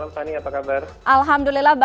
selamat malam tani apa kabar